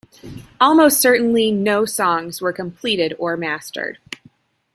Almost certainly no songs were completed or mastered.